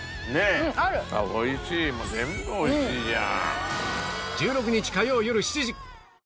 あっおいしいもう全部おいしいじゃん！